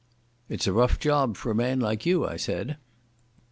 "It's a rough job for a man like you," I said.